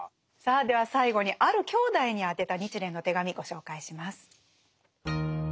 さあでは最後にある兄弟に宛てた日蓮の手紙ご紹介します。